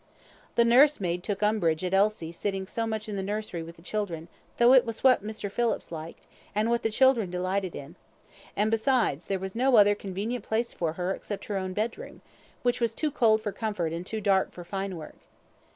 The nursemaid took umbrage at Elsie sitting so much in the nursery with the children, though it was what Mr. Phillips liked, and what the children delighted in; and besides there was no other convenient place for her except her own bedroom, which was too cold for comfort and too dark for fine work.